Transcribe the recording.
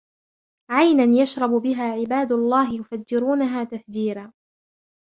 عَيْنًا يَشْرَبُ بِهَا عِبَادُ اللَّهِ يُفَجِّرُونَهَا تَفْجِيرًا